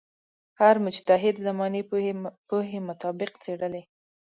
هر مجتهد زمانې پوهې مطابق څېړلې.